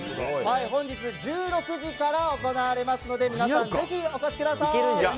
本日１６時から行われますので皆さん、ぜひお越しください！